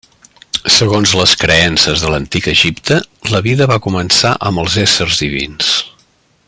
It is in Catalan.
Segons les creences de l'Antic Egipte, la vida va començar amb els éssers divins.